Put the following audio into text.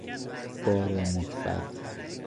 بار مثبت